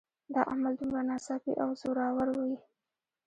دا عمل دومره ناڅاپي او زوراور وي